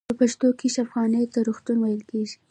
په پښتو کې شفاخانې ته روغتون ویل کیږی.